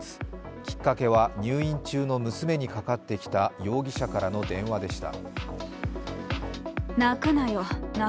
きっかけは入院中の娘にかかってきた容疑者からの電話でした。